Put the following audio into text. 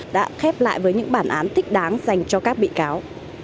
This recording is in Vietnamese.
đã khép lại với những bản án thích đáng dành cho các bị cáo